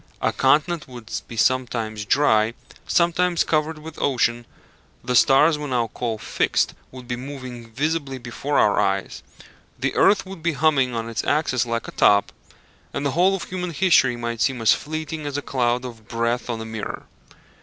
A continent would be sometimes dry, sometimes covered with ocean; the stars we now call fixed would be moving visibly before our eyes; the earth would be humming on its axis like a top, and the whole of human history might seem as fleeting as a cloud of breath on a mirror.